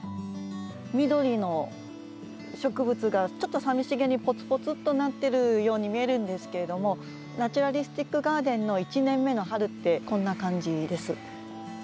緑の植物がちょっと寂しげにポツポツっとなってるように見えるんですけれどもナチュラリスティック・ガーデンの１年目の春ってこんな感じです。